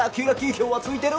今日はついてる！